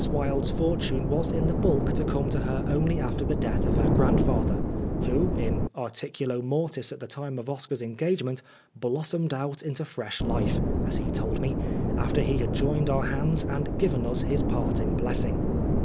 Wilde's fortune was in the bulk to come to her only after the death of her grandfather, who, in articulo mortis at the time of Oscar's engagement, " blossomed out into fresh life," as he told me, " after he had joined our hands and given us his parting blessing."